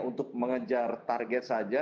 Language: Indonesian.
untuk mengejar target saja